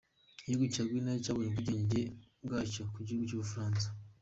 Igihugu cya Guinea cyabonye ubwigenge bwacyo ku gihugu cy’ubufaransa.